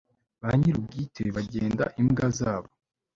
ba nyir'ubwite bagenda imbwa zabo